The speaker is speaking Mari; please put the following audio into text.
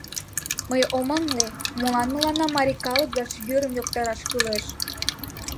Мый ом ыҥле, молан мыланна марий калык верч вӱрым йоктараш кӱлеш?